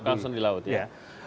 konsen di laut iya